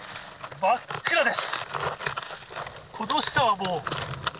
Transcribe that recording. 真っ暗です。